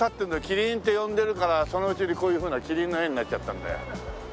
キリンって呼んでるからそのうちにこういうふうなキリンの絵になっちゃったんだよ。